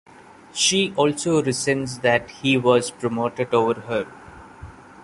She also resents that he was promoted over her.